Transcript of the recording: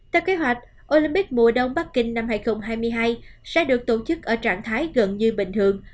theo kế hoạch olympic mùa đông bắc kinh năm hai nghìn hai mươi hai sẽ được tổ chức ở trạng thái gần như bình thường